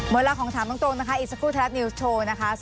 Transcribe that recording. เวลาของถามตรงนะคะอีกสักครู่ไทยรัฐนิวส์โชว์นะคะ